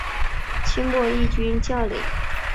清末毅军将领。